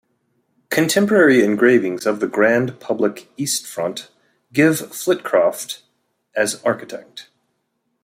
Contemporary engravings of the grand public East Front give Flitcroft as architect.